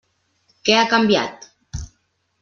Què ha canviat?